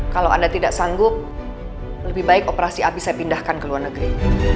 kalau anda tidak sanggup lebih baik operasi a bisa pindahkan ke luar negeri